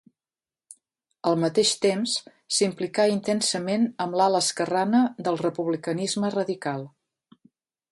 Al mateix temps, s'implicà intensament amb l'ala esquerrana del republicanisme radical.